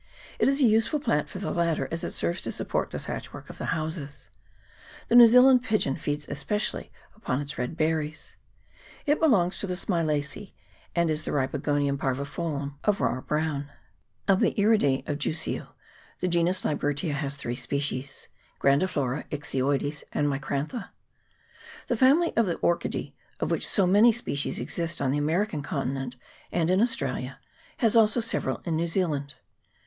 It is a useful plant for the latter, as it serves to support the thatch work of the houses. The New Zealand pigeon feeds especially upon its red berries. It belongs to the Smilacea, and is the Ripogonum parviflorum of R. Brown. Of the Iridece of Jussieu, the genus Libertia has 3 species grandiflora, ixioides, and micrantha. The family of the Orchidea, of which so many species exist on the American continent and in Australia, has also several on New Zealand.